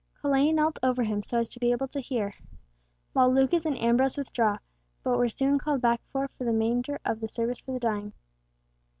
Colet knelt over him so as to be able to hear, while Lucas and Ambrose withdraw, but were soon called back for the remainder of the service for the dying.